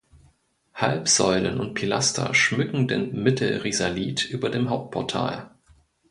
Halbsäulen und Pilaster schmücken den Mittelrisalit über dem Hauptportal.